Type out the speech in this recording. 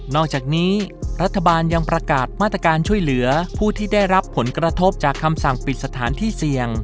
อกจากนี้รัฐบาลยังประกาศมาตรการช่วยเหลือผู้ที่ได้รับผลกระทบจากคำสั่งปิดสถานที่เสี่ยง